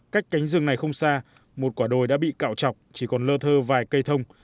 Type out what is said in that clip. cách cánh rừng này không xa một quả đồi đã bị cạo chọc chỉ còn lơ thơ vài cây thông